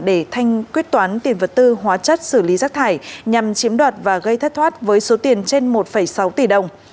để thanh quyết toán tiền vật tư hóa chất xử lý rác thải nhằm chiếm đoạt và gây thất thoát với số tiền trên một sáu tỷ đồng